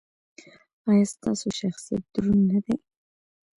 ایا ستاسو شخصیت دروند نه دی؟